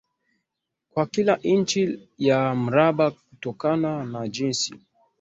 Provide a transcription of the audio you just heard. kwa kila inchi ya mraba Kutokana na jinsi